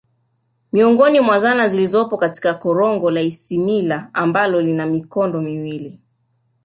Miongoni mwa zana zilizopo katika korongo la Isimila ambalo lina mikondo miwili